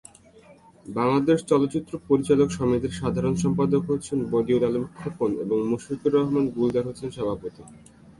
বাংলাদেশ চলচ্চিত্র পরিচালক সমিতির সাধারণ সম্পাদক হচ্ছেন বদিউল আলম খোকন এবং মুশফিকুর রহমান গুলজার হচ্ছেন সভাপতি।